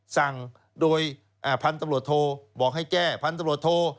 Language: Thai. สั่งโดยผันตำรวจโทษบอกให้แก้ผันตำรวจโทษ